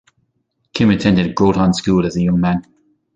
Kim attended Groton School as a young man.